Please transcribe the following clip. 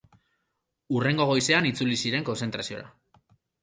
Hurrengo goizean itzuli ziren kontzentraziora.